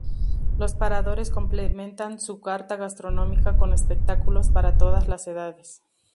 Los paradores complementan su carta gastronómica con espectáculos para todas las edades.